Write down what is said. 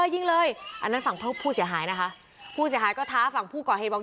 ยิงเลยอันนั้นฝั่งผู้เสียหายนะคะผู้เสียหายก็ท้าฝั่งผู้ก่อเหตุว่า